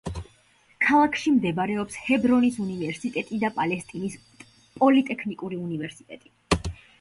ქალაქში მდებარეობს ჰებრონის უნივერსიტეტი და პალესტინის პოლიტექნიკური უნივერსიტეტი.